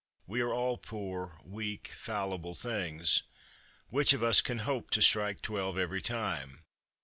We are all poor, weak, fallible things. Which of us can hope to strike twelve every time?